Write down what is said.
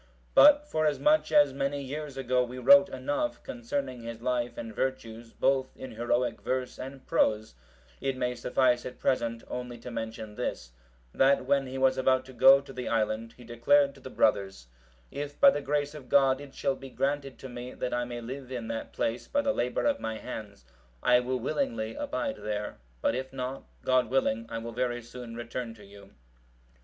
But forasmuch as many years ago we wrote enough concerning his life and virtues, both in heroic verse and prose,(749) it may suffice at present only to mention this, that when he was about to go to the island, he declared to the brothers, "If by the grace of God it shall be granted to me, that I may live in that place by the labour of my hands, I will willingly abide there; but if not, God willing, I will very soon return to you."